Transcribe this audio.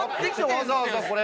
わざわざこれ。